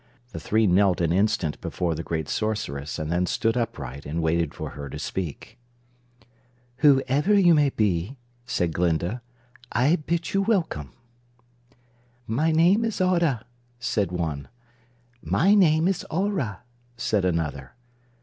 The three knelt an instant before the great Sorceress and then stood upright and waited for her to speak. "Whoever you may be," said Glinda, "I bid you welcome." "My name is Audah," said one. "My name is Aurah," said another.